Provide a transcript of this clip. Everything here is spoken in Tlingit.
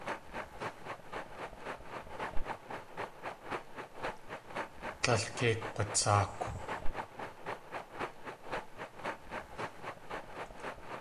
Tlél kei kg̲watsáakw.